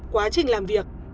quá trình làm việc